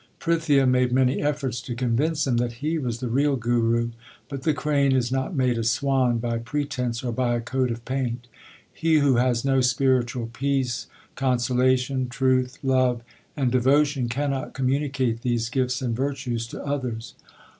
Prithia made many efforts to convince them that he was the real Guru, but the crane is not made a swan by pretence or by a coat of paint. He who has no spiritual peace, consolation, truth, love and devotion cannot com municate these gifts and virtues to others.